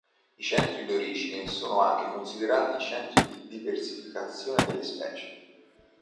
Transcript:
I centri di origine sono anche considerati i centri di diversificazione delle specie.